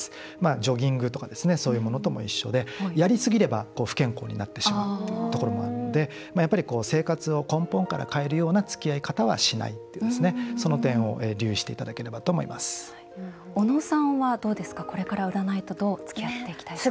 ジョギングとかそういうものとも一緒でやりすぎれば不健康になってしまうというところもあるので生活を根本から変えるようなつきあい方はしないというその点を留意していただければとおのさんはこれからどう占いとつきあっていきたいですか？